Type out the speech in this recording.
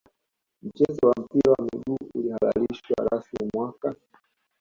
mchezo wa mpira wa miguu ulihalalishwa rasmi mwaka